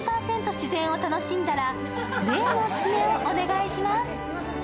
自然を楽しんだら、例のシメをお願いします。